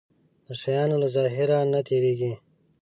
د شيانو له ظاهر نه تېرېږي.